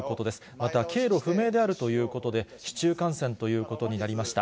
また経路不明であるということで、市中感染ということになりました。